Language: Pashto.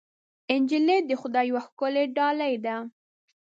نجلۍ د خدای یوه ښکلی ډالۍ ده.